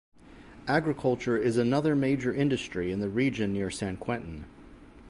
Agriculture is another major industry in the region near Saint-Quentin.